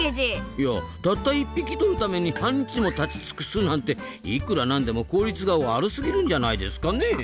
いやたった１匹とるために半日も立ちつくすなんていくら何でも効率が悪すぎるんじゃないですかね？